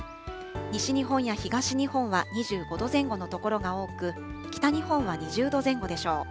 西日本や東日本は２５度前後の所が多く、北日本は２０度前後でしょう。